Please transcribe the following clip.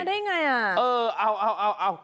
มาได้ยังไงอ่ะเออเอา